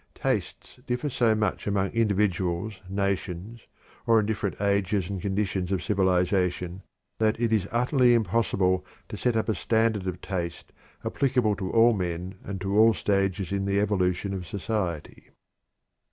Tastes differ so much among individuals, nations, or in different ages and conditions of civilization that it is utterly impossible to set up a standard of taste applicable to all men and to all stages in the evolution of society."